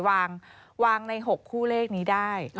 วางใน๖คู่เลขนี้ได้